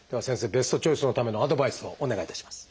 ベストチョイスのためのアドバイスをお願いいたします。